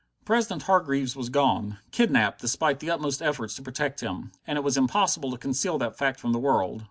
President Hargreaves was gone kidnapped despite the utmost efforts to protect him; and it was impossible to conceal that fact from the world.